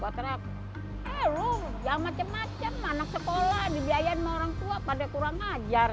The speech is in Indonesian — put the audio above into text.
gue teriak eh lu yang macem macem anak sekolah dibiayain sama orang tua pada kurang ajar